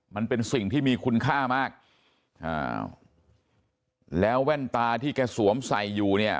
มันเป็นสิ่งที่มีคุณค่ามากอ่าแล้วแว่นตาที่แกสวมใส่อยู่เนี่ย